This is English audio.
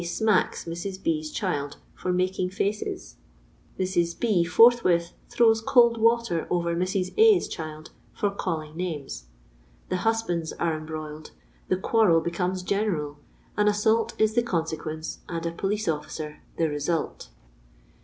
'smacks' Mrs. B.'s child for 'nmiung faces.' Mrs. B. forthwith throws cold water over Mrs. A.'s child for ' calling names.' The husbands are embroiled — the quarrel beoomef gentiai — an assault is the consequence, and a police officer the result."